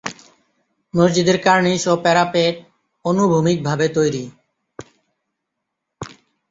মসজিদের কার্নিশ ও প্যারাপেট অনুভূমিকভাবে তৈরি।